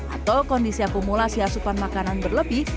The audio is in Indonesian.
atau kondisi akumulasi asupan makanan berlebih